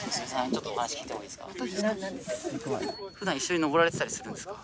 ちょっとお話聞いてもいいですか？